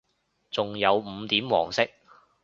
仲有五點黃色